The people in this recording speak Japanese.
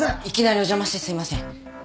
いきなりお邪魔してすいません。